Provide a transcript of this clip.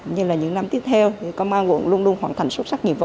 như là những năm tiếp theo thì công an quận luôn luôn hoàn thành xuất sắc nhiệm vụ